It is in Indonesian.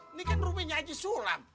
ini kan rumahnya aji sulam